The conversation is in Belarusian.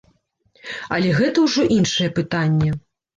Але гэта ўжо іншае пытанне.